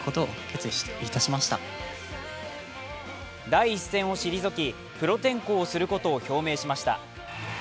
第一線を退きプロ転向をすることを表明しました。